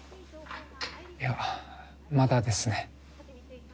いやまだですね。